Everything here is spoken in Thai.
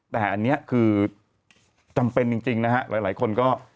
แต่อันนี้คือจำเป็นจริงนะฮะหลายคนก็